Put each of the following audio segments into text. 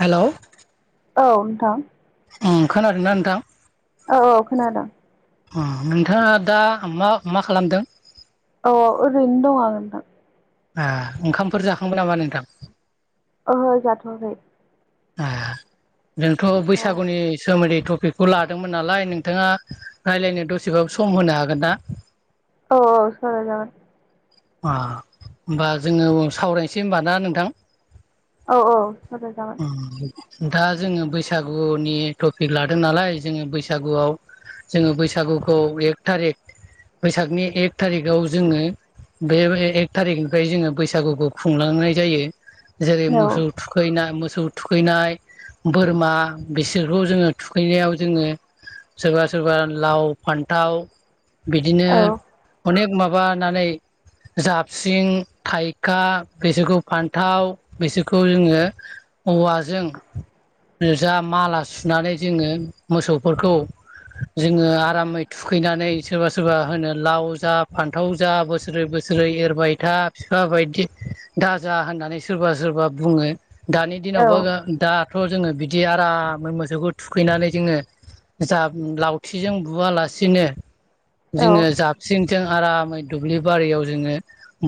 Hello औ नोंथां। खोनादोंना नोंथां। औ औ खोनादों। अ नोंथाङा दा मा मा खालामदों? अ ओरैनो दं नोंथां। ओंखामफोर जाखांबाय नामा नोंथां। ओहो जाथ'वाखै ए जोंथ' औ बैसागुनि सोमोन्दै टपिकखौ लादोंमोन नालाय नोंथाङा रायज्लायनो दसेखौ सम होनो हागोन ना? औ औ सावरायजागोन। अ होमबा जोङो सावरायनोसै होनबा ना नोंथां। औ औ सावराय जागोन। ओम दा जोङो बैसागुनि टपिक लादों नालाय जोङो बैसागुआव जोङो बैसागुखौ एक थारिख बैसागनि एक थारिखआव जोङो बे एक थारिखनिफ्राय जोङो बैसागुखौ खुंलांनाय जायो। जेरै औ मोसौ थुखैनाय मो मोसौ थुखैनाय बोरमा बिसोरखौ जोङो थुखैनायाव जोङो सोरबा सोरबा लाव फान्थाव बिदिनो औ अनेक माबानानै जाबसिं थाइखा बेसोरखौ फान्थाव बेसोरखौ जोङो औवाजों जा माला सुनानै जोङो मोसौफोरखौ जोङो आरामै थुखैनानै सोरबा सोरबा होनो लाव जा फान्थाव जा बोसोर बोसोरै बोसोरै एरबाय था बिफा बायदि दाजा होननानै सोरबा सोरबा बुङो। दानि औ औ दिनावबा दाथ' जोङो बिदि आरामै मोसौखौ थुखैनानै जोङो जा लावथिजों बुवालासिनो। औ जोङो जाबसिंजों आरामै दुब्लि बारियाव जोङो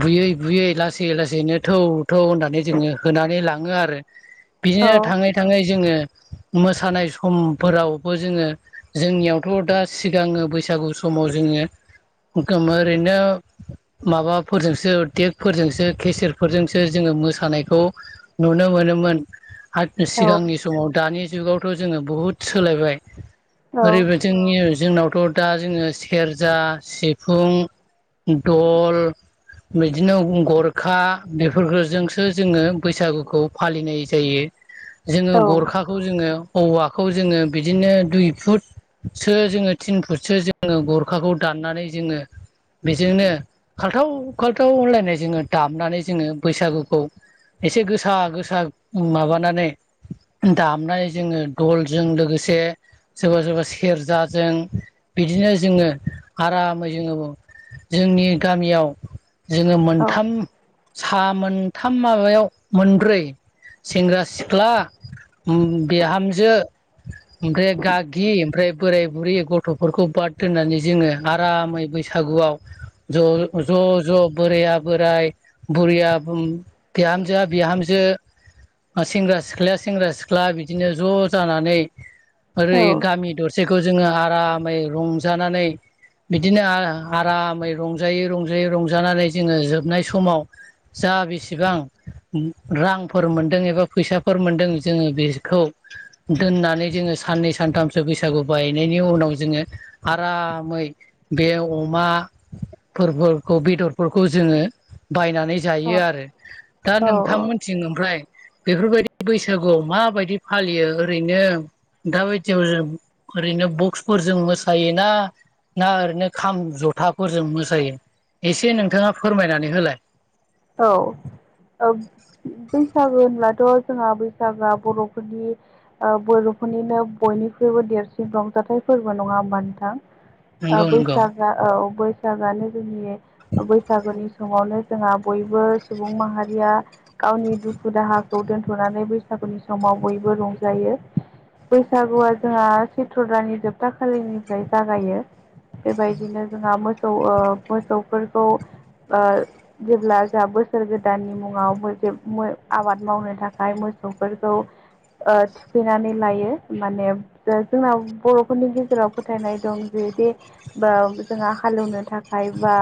बुयै बुयै लासै लासैनो थौ थौ होननानै जोङो होनानै लाङो आरो बिदिनो थाङै थाङै जोङो मोसानाय समफोरावबो जोङो जोंनियावथ' दा सिगाङो बैसागु सम माव जों ओरैनो माबाफोरजोंसो टेपफोरजोंसो केसेरफोरजोंसो जोङो मोसानायखौ नुनो मोनो मोन सिगांनि समाव दानि जुगावथ' जोङो बुहुद सोलायबाय। ओरैबायदिनि जोंनावथ' दा जोङो सेरजा सिफुं दल बिदिनो गरखा बेफोरजोंसो जोङो बैसागुखौ फालिनाय जायो। जोङो गरखाखौ जोङो औवाखौ जोङो बिदिनो दुइ फुटसो जोङो थिन फुटसो जोङो गरखाखौ दान नानै जोङो बेजोंनो खाल्थाव खाल्थाव होनलायनाय जोङो दामनानै जोङो बैसागुखौ एसे गोसा गोसा माबानानै दामनाय जोङो दलजों लोगोसे सोरबा सोरबा सेरजाजों बिदिनो जोङो आरामै जोङो जोंनि गामियाव जोङो मोनथाम हा मोनथाम माबायाव मोनब्रै सेंग्रा सिख्ला बिहामजो ओमफ्राय गागि ओमफ्राय बोराय बुरै गथ'फोरखौ बाद दोननानै जोङो आरामै बै सागुआव ज' ज' बोरया बोराय बुरैया बिहामजोआ बिहामजो सेंग्रा सिख्लाया सेंग्रा सिख्ला बिदिनो ज' जानानै ओरै गामि दरसेखौ जोङो आरामै रंजानानै बिदिनो आरामै रंजायै रंजायै रंजानानै जोङो जोबनाय समाव जा बेसेबां रांफोर मोनदों एबा फैसाफोर मोनदों जोङो बेखौ दोननानै जोङो साननै सानथामसो बैसागु बायनायनि उनाव जोङो आरामै बेयाव अ माफोरखौ बेदरफोरखौ जोङो बायनानै औ जायो औ आरो दा नोंथांमोनथिं ओमफ्राय बेफोरबायदि बैसागुआव माबायदि फालियो ओरैनो दा बायदियाव जों ओरैनो बक्सफोरजों मोसायोना ना ओरैनो खाम जथाफोरजों मोसायो एसे नोंथाङा फोरमायनानै होलाय। औ औ बैसागो होनब्लाथ' जोंहा बैसागोआ बर'फोरनि बर'फोरनिनो बय निबो देरसिन रंजाथाइ फोरबो नङा ओमबा नोंथां ओ नंगौ नंगौ बैसागआ औ बैसागोआनो जोंनि बैसागोनि समावनो जोंहा बयबो सुबुं माहारिया गावनि दुखु दाहाखौ दोनथ'नानै बैसागुनि समाव बय बो रंजायो। बैसागुआ जोंहा चैथ्र दानि जोबथा खालिनिफ्राय जागायो। बेबायदिनो जोंहा मोसौ मोसौफोरखौ ओ जेब्ला जा बोसोर गोदाननि मुङाव बयबो मो आबाद मावनो थाखाय मोसौफोरखौ ओ थुखैनानै लायो माने जोंना बर'फोरनि गेजेराव फोथायनाय दं जे बिदि दा जोंहा हाल एवनो थाखाय बा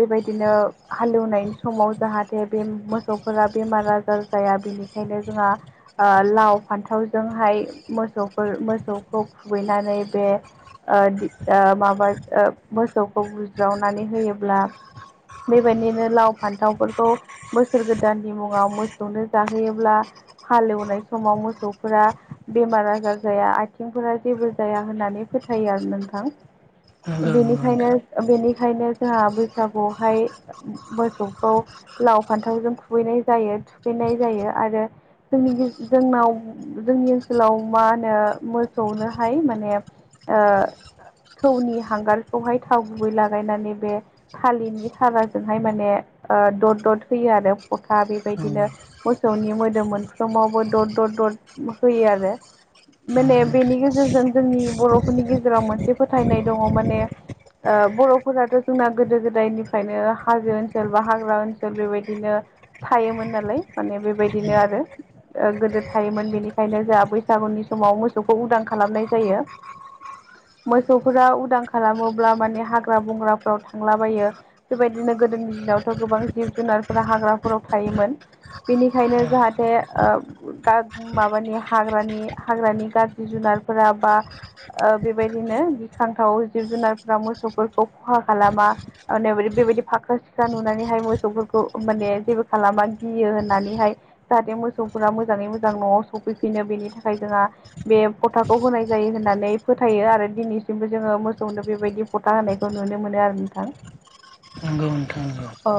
बेबायदिनो हाल‌ एवनायनि समाव जाहाथे बे मोसौफोरा बेमार आजार जाया बेनिखायनो जोंहा ओ लाव फान्थावजोंहाय मोसौफोर मोसौखौ खुबैनानै बे ओ दि ओ माबा ओ मोसौखौ बुज्रावनानै होयोब्ला बेबायदिनो लाव फान्थावफोरखौ बोसोर गोदाननि मुङाव मोसौनो जाहोयोब्ला हाल एवनाय समाव मोसौफोरा बेमार आजार जाया आथिंफोरा जेबो जाया होननानै फोथायो। आरो नोंथां नंगौ नंगौ बिनिखायनो नोंथां बिनिखायनो जोंहा बैसागुआवहाय मोसौखौ लाव फान्थावजों खुबैनाय जायो थुखैनाय जायो आरो। जोंनि गे जोंनाव जोंनि ओनसोलाव मा होनो मोसौनोहाय माने ओ थौनि हांगारखौहाय थाव गुबै लागायनानै बे थालिरनि थारा जोहाय माने ओ दद दद होयो आरो फथा बेबायदिनो मोसौनि मोदोम मोनफ्रोमावबो दद दद दद होयो आरो माने बेनि गेजेरजों जोंनि बर'फोरनि गेजेराव मोनसे फोथायनाय दङ माने ओ बर'फोराथ' जोंना गोदो गोदायनिफ्रायनो हाजो ओनसोल बा हाग्रा ओनसोल बेबायदिनो थायोमोन नालाय माने बेबायदिनो आरो ओ गोदो थायोमोन बेनिखायनो जोंहा बैसागुनि समाव मोसौखौ उदां खालामनाय जायो [inaudible] मोसौफोरा उदां खालामोब्ला माने हाग्रा बंग्राफ्राव थांलाबायो बेबाय बिदिनो गोदोनि दिनावथ' गोबां जिब जुनारफोरा हाग्राफोराव थायोमोन बेनिखायनो जाहाथे ओ गा माबानि हाग्रानि हाग्रानि गाज्रि जुनार बादफोरा बा ओ बेबायदिनो गिखांथाव जिब जुनारफ्रा मोसौफोरखौ खहा खालामा ओ नो बेबायदि फाख्रा सिख्रा नुनानैहाय मोसौफोरखौ माने जेबो खालामा गियो होननानैहाय जाहाथे मोसौ फोरा मोजाङै मोजां न'वाव सफैफिनो बेनि थाखाय जोंहा बे फथाखौ होनाय जायो होननानै फोथाय नाय जायो आरो दिनैसिमबो जोङो मोसौनो बेबायदि फथा होनायखौ नुनो मोनो आरो नोंथां नोंगौ नोंथां नोंगौ औ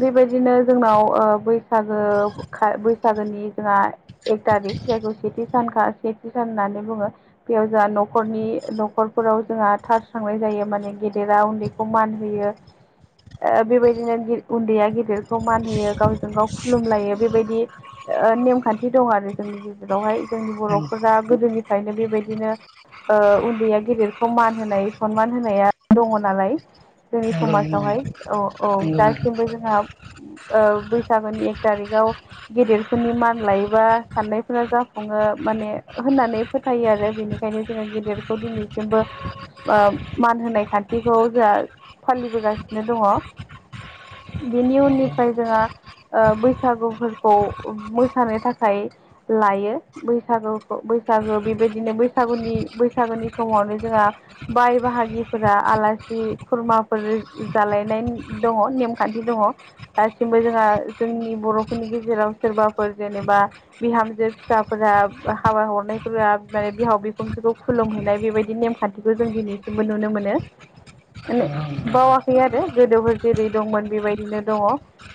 बेबायदिनो जोंनाव ओ बैसागो ओ बैसागोनि जोंहा एक तारिक जायखौ सेथि सानखा सेथि सान होननानै बुङो बेयाव जोंहा न'खरनि न'खरफोराव जोंहा सारस्रांनाय जायो माने गेदेरा उन्दैखौ मान होयो [inaudible] ओ बेबायदिनो उन्दैया गेदेरखौ मान होयो गावजों गाव खुलुमलायो बेबायदि ओ नेमखान्थि दं आरो जोंनि गेजेरावहाय जोंनि बर'फोरा गोदोनिफ्रायनो बेबायदिनो ओ उन्दैया गेदेरखौ मान होनाय सनमान होनाया दङ नालाय जोंनि समाजावहाय नोंथां औ औ नंगौ नंगौ दासिमबो जोंहा ओ बैसागोनि एक थारिखआव गेदेरफोरनि मान लायोबा साननायफोरा जाफुङो माने होननानै फोथायो आरो बेनिखायनो जोङो गेदेरखौ दिनैसिमबो मान होनाय खान्थिखौ जोंहा फालिबोगासिनो दङ [inaudible] बेनि उननिफ्राय जोंहा बैसागुफोरखौ मोसानो थाखाय लायो बैसागुखौ बैसागो बेबायदिनो बैसागुनि बैसागोनि समावनो जोंहा बाय बाहागिफोरा आलासि खुरमाफोर जालायनाय दङ नेमखान्थि दङ दासिमबो जोंहा जोंनि बर'फोरनि गेजेराव सोरबाफोर जेनेबा बिहामजो फिसाफोरा हाबा हरनायफोरा माने बिहाव बिखुनजोखौ खुलुमहैनाय बेबायदि नेमखान्थिखौ जों दिनैसिमबो नुनो मोनो माने बावाखै आरो गोदो जेरै दंमोन बेबायदिनो दङ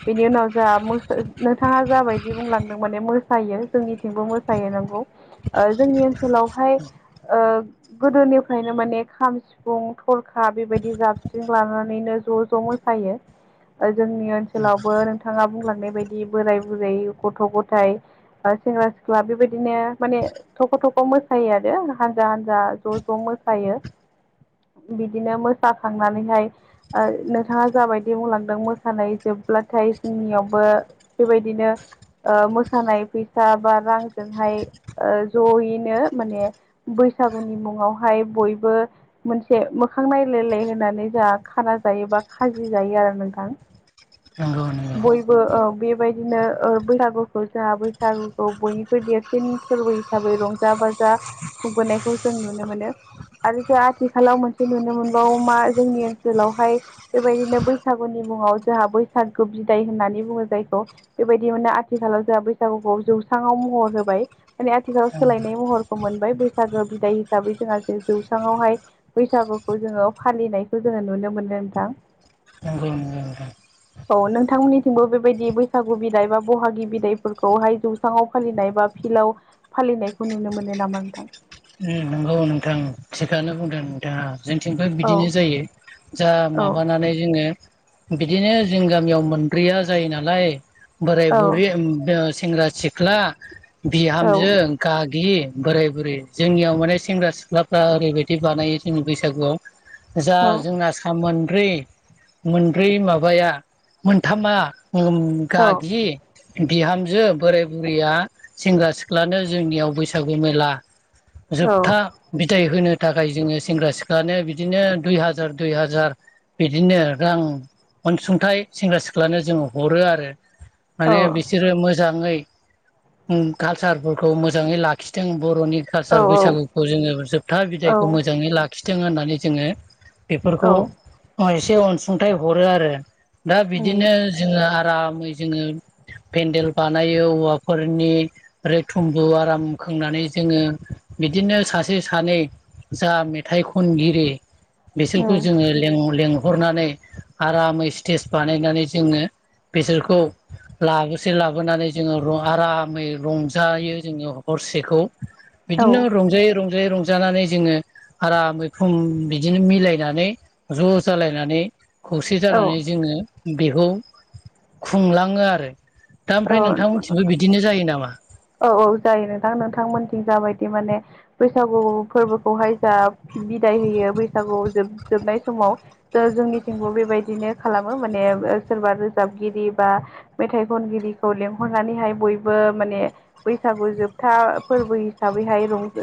बेनि उनाव जा नोंथाङा जाबायदि बुंलांदों माने मोसायो जोंनिथिंबो मोसायो नोंगौ जोंनि ओनसोलावहाय गोदोनिफ्रायनो माने खाम सिफुं थरखा बेबायदि जाबस्रिं लानानैनो। ज' ज' मो फायो। जोंनि ओनसोलावबो नोंथाङा बुंलांनाय बायदि बोराय बुरै गथ' गथाय सेंग्रा सिख्ला बेबायदिनो माने थख' थख' मोसायो आरो हानजा हानजा ज' ज' मोसायो बिदिनो मोसाखांनानैहाय बिथाङा जाबायदि बुंलांदों मोसानाय जोबब्लाथाय जोंनियावबो बेबायदिनो मोसानाय फैसा बा रांजोंहाय जयैनो माने बैसागुनि मुङावहाय बयबो मोनसे मोखां नायलायलाय होनानै जोंहा खाना जायोबा खाजि जायो आरो नोंथां नंगौ बयबो बे बेबायदिनो बैसागुखौ जोंहा बैसागुखौ बयनिख्रइ देरसिन फोरबो हिसाबै रंजा बाजा दा खुंबोनायखौ जों नुनो मोनो आरो जों आथिखालाव मोनसे नुनो मोनबावो मा जोंनि ओनसोलावहाय बेबायदिनो बैसागुनि मुङाव जोंहा बैसागु बिदाय होननानै बुङो जायखौ बेबायदिनोनो आथिखाल। जोंहा बैसागुखौ जौस्रङाव महर होबाय माने आथिखालाव सोलायनाय महरखौ मोनबाय बैसागो बिदाय। हिसाबै जोंहा जे जौस्राङावहाय बैसागुखौ जोङो फालिनायखौ जोङो नुनो मोनो नोंथां। नंगौ नंगौ। औ नोंथांमोननिथिंबो बेबायदि बैसागु बिदाय बा बहागि बिदायफोरखौहाय जौस्राङाव फालिनाय बा फिलआव फालिनायखौ नुनो मोनो नामा नोंथां। दा जोंथिंबो बिदिनो औ जायो जा औ माबानानै जोङो। बिदिनो जों गामियाव मोनब्रैया जायो नालाय औ बोराय-बुरि सेंग्रा सिख्ला बिहामजो गागि बोराय-बुरै जोंनियाव माने सेंग्रा सिख्लाफ्रा ओरैबायदि बानायो जोंनि बैसागुआव जा औ जोंना सामोन मोनबै मोनब्रै माबाया मोनथामा औ गागि बिहामजो बोराय बुरैया सेंग्रा सिख्लानो जोंनियाव बैसागु मेला औ जोबथा फिथाइ होनो थाखाय जोङो सेंग्रा सिख्लानो बिदिनो दुइ हाजार दुइ हाजार बिदिनो रां अनसुंथाइ सेंग्रा सिख्लानो जोंङो हरो आरो माने बिसोरो मोजाङै कालचारफोरखौ मोजाङै लाखिदों बर'नि कालसार औ बैसागुखौ जोङो जोबथा औ बिदायखौ मोजाङै लाखिथों होननानै जोङो बेफोरखौ औ एसे अनसुंथाइ हरो आरो दा उम बिदिनो जोङो आरो। आरामै जोङो। पेन्देल बानायो औवाफोरनि रओ थुम्बु आराम खोंनानै जोङो। बिदिनो सासे सानै जा मेथाइ खनगिरि बिसोरखौ उम जोङो लङो लङो हरनानै आरामै स्टेज बानायनानै जोङो बिसोरखौ। लाबोसै लाबोनानै जोङो आरामै रंजायो जोङो हरसेखौ औ बिदिनो रंजायै रंजायै रंज जानानै जोङो हारा मैखोम बिदिनो मिलायनानै ज' जालायनानै खौसे औ जानानै जोङो बेखौ खुंलाङो आरो। दा औ ओमफ्राय नोंथांमोनथिंबो बिदिनो जायो नामा? औ औ जायो नोंथां नोंथांमोन। जाबायदि माने बैसागु फोरबोखौहाय जा बिदाय होयो बैसागु जोब जोबनाय समाव जोंनिथिंबो बेबायदिनो खालामो माने सोरबा रोजाबगिरि बा मेथाइ खन गदि लहरनानैहाय बयबो माने बैसागु जोबथा फोरबो हिसाबैहाय रज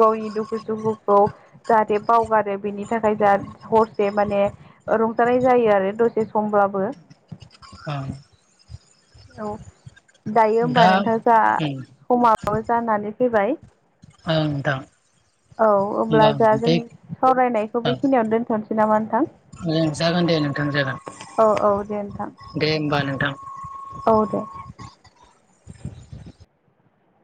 गावनि दुखु सुखुखौ जाहाथे बावगारो बेनि थाखाय जाह हरसे माने रंजानाय जायो आरो दसे समब्लाबो ह औ दायो हबा दा नोंथाङ जा उम समाबो जानानै फैबाय। ओं नोंथां औ अब्ला होमबा जा बे जोंनि सावरायनायखौ ओं बेखिनियावनो दोनथ'नोसै। नामा नोंथां? जागोन दे नोंथां जागोन औ औ दे नोंथां दे होमबा नोंथां। औ दे